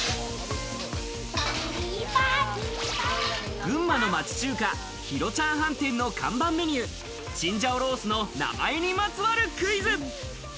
群馬の町中華・広ちゃん飯店の看板メニュー、青椒肉絲の名前にまつわるクイズ。